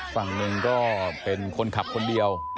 ฝั่งหนึ่งก็เป็นคนขับคนเดียว